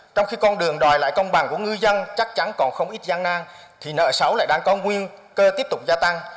trong khi con đường đòi lại công bằng của ngư dân chắc chắn còn không ít gian nang thì nợ xấu lại đang có nguy cơ tiếp tục gia tăng